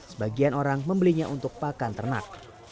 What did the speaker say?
sebagian orang membelinya untuk pakan ternak